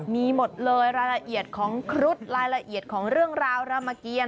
มีหมดเลยรายละเอียดของครุฑรายละเอียดของเรื่องราวรามเกียร